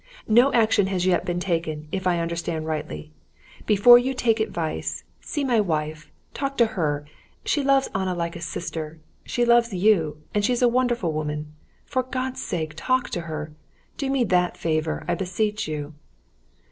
"No action has yet been taken, if I understand rightly. Before you take advice, see my wife, talk to her. She loves Anna like a sister, she loves you, and she's a wonderful woman. For God's sake, talk to her! Do me that favor, I beseech you!"